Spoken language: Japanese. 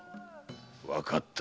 わかった。